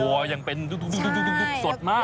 โอ้ยยังเป็นดูดูดูดูดสดมาก